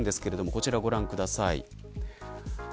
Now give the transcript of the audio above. こちらをご覧ください。